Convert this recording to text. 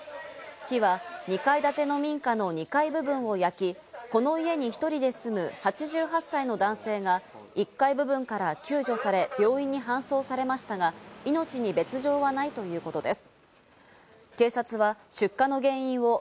火は２階建ての民家の２階部分を焼き、この家に１人で住む８８歳の男性が１階部分から救助され、病院に搬送されましたが、命に別条はないということです。